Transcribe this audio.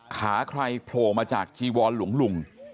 ขาใครโผล่มาจากจีวรหลวงลุง